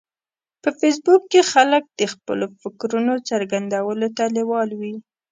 په فېسبوک کې خلک د خپلو فکرونو څرګندولو ته لیوال وي